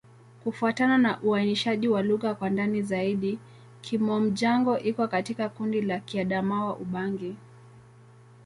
Kufuatana na uainishaji wa lugha kwa ndani zaidi, Kimom-Jango iko katika kundi la Kiadamawa-Ubangi.